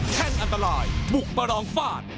แค่งอันตรายบุกประลองฟาด